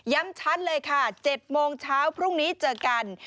ชัดเลยค่ะ๗โมงเช้าพรุ่งนี้เจอกัน